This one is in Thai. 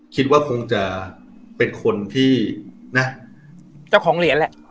คิดว่าคงจะเป็นคนที่นะเจ้าของเหรียญแหละ